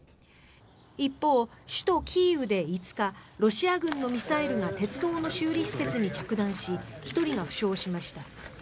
一方、首都キーウで５日ロシア軍のミサイルが鉄道の修理施設に着弾し１人が負傷しました。